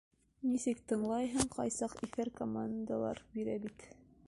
Нисек тыңлайһың, ҡай саҡ иҫәр командалар бирә бит.